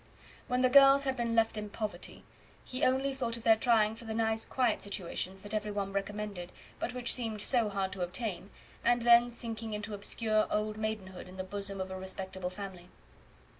When the girls had been left in poverty he only thought of their trying for the nice quiet situations that every one recommended, but which seemed so hard to obtain, and then sinking into obscure old maidenhood in the bosom of a respectable family.